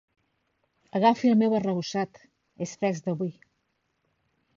Agafi el meu arrebossat, és fresc d'avui.